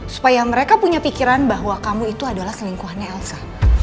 supaya mereka punya pikiran bahwa kamu itu adalah selingkuhannya elsa